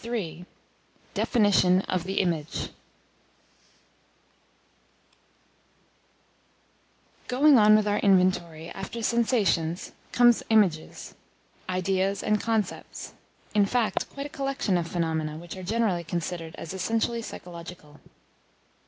] CHAPTER III DEFINITION OF THE IMAGE Going on with our inventory, after sensations come images, ideas, and concepts; in fact, quite a collection of phenomena, which, are generally considered as essentially psychological.